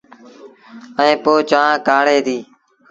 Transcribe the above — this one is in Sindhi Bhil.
ائيٚݩ پو چآنه ڪآڙيٚن ديٚݩ۔